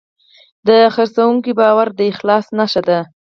د پیرودونکي باور د اخلاص نښه ده.